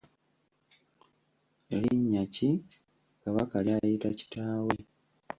Linnya ki Kabaka ly’ayita kitaawe?